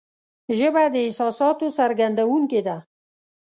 ژبه د احساساتو څرګندونکې ده